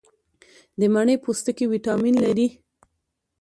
د مڼې پوستکي ویټامین لري.